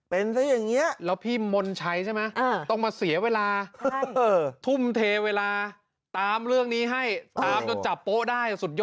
เป็นซะอย่างเงี้ยแล้วพี่มนชัยใช่ไหมอ่า